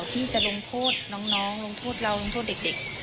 ที่จะลงโทษน้องลงโทษเราลงโทษเด็ก